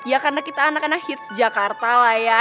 ya karena kita anak anak hits jakarta lah ya